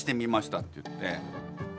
って言って。